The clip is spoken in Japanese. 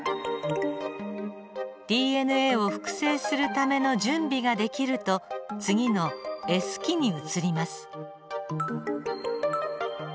ＤＮＡを複製するための準備ができると次のＳ期に移ります。